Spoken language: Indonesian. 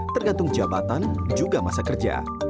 tergantung jabatan juga masa kerja